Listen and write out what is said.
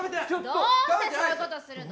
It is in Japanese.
どうしてそういうことするの！